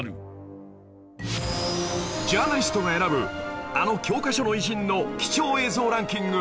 ジャーナリストが選ぶあの教科書の偉人の貴重映像ランキング